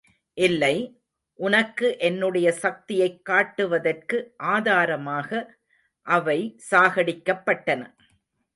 இல்லை, உனக்கு என்னுடைய சக்தியைக் காட்டுவதற்கு ஆதாரமாக அவை சாகடிக்கப்பட்டன.